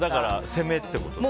攻めってことだ。